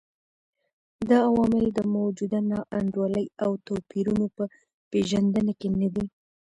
دا عوامل د موجوده نا انډولۍ او توپیرونو په پېژندنه کې نه دي.